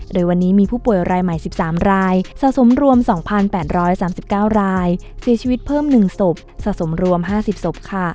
โดยวันนี้มีผู้ป่วยรายใหม่๑๓รายสะสมรวม๒๘๓๙รายเสียชีวิตเพิ่ม๑ศพสะสมรวม๕๐ศพค่ะ